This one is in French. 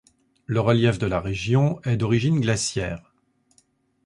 Le relief de la région est d'origine glaciaire.